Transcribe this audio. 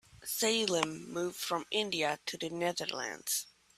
Salim moved from India to the Netherlands.